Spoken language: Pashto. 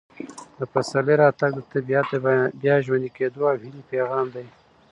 د پسرلي راتګ د طبیعت د بیا ژوندي کېدو او هیلې پیغام دی.